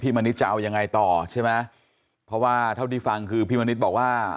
มณิชจะเอายังไงต่อใช่ไหมเพราะว่าเท่าที่ฟังคือพี่มณิษฐ์บอกว่า